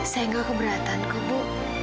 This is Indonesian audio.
saya gak keberatanku bu